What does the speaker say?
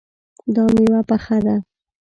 دا میوه پخه ده